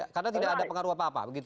karena tidak ada pengaruh apa apa begitu